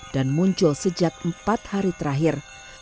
dan muncul sejak empat hari terakhir